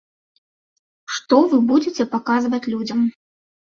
Што вы будзеце паказваць людзям?